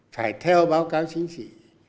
phải theo báo cáo chính trị